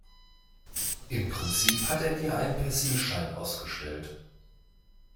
Im Prinzip hat er dir einen Persilschein ausgestellt.